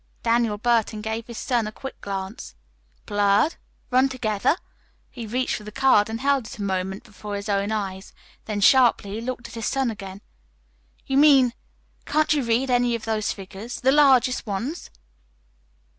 Daniel Burton gave his son a quick glance. "Blurred? Run together?" He reached for the card and held it a moment before his own eyes. Then sharply he looked at his son again. "You mean Can't you read any of those figures the largest ones?"